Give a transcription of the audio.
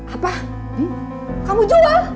apa kamu jual